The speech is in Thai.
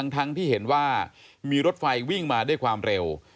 ทั้งที่เห็นว่ามีรถไฟวิ่งมาด้วยความเร็ว